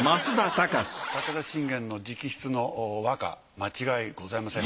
武田信玄の直筆の和歌間違いございません。